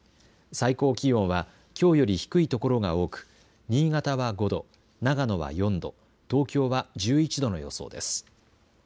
最高気温はきょうより低い所が多く新潟は５度、長野は４度東京は１１度の予想です。